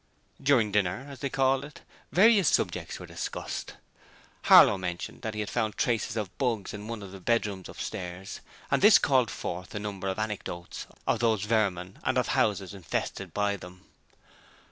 During dinner as they called it various subjects were discussed. Harlow mentioned that he had found traces of bugs in one of the bedrooms upstairs and this called forth a number of anecdotes of those vermin and of houses infested by them.